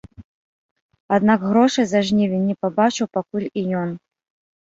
Аднак грошай за жнівень не пабачыў пакуль і ён.